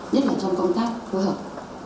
nhất là trong công tác phối hợp